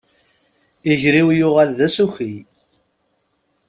Iger-iw yuɣal d asuki.